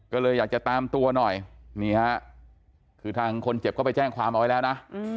ก็เลยอยากจะตามตัวหน่อยนี่ฮะคือทางคนเจ็บก็ไปแจ้งความเอาไว้แล้วนะ